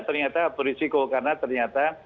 ternyata berisiko karena ternyata